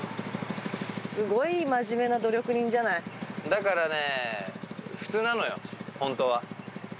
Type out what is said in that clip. だからね。